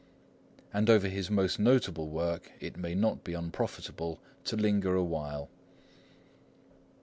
and over his most notable work it may not be unprofitable to linger awhile.